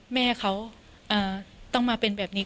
แม่เขาต้องมาเป็นแบบนี้